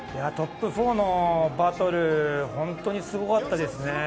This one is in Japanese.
トップ４のバトル、本当にすごかったですね。